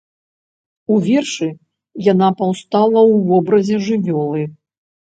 У вершы яна паўстала ў вобразе жывёлы.